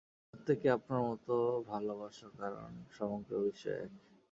প্রত্যেককে আপনার মত ভালবাসো, কারণ সমগ্র বিশ্বই এক।